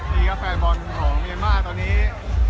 ที่กาแฟบอลของเมียม่าตอนนี้